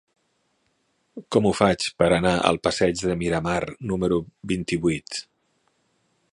Com ho faig per anar al passeig de Miramar número vint-i-vuit?